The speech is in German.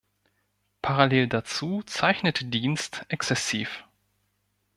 Parallel dazu zeichnete Dienst exzessiv.